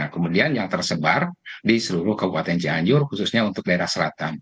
kemudian yang tersebar di seluruh kabupaten cianjur khususnya untuk daerah selatan